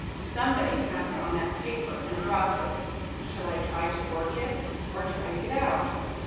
"Somebody had it on that paper and dropped it. Shall I try to work it, or try to get out?"